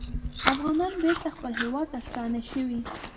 افغانان بېرته خپل هیواد ته ستانه شوي